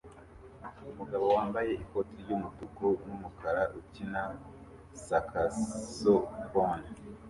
Umugabo wambaye ikoti ry'umutuku n'umukara ukina sakasofone